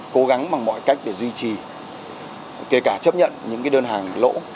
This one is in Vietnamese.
cố gắng bằng mọi cách để duy trì kể cả chấp nhận những đơn hàng lỗ